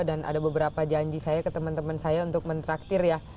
dan ada beberapa janji saya ke teman teman saya untuk mentraktir ya